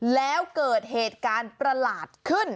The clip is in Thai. แล้วเกิดเหตุการณ์ประหลาดขึ้น